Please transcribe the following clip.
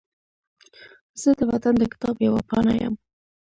زه د وطن د کتاب یوه پاڼه یم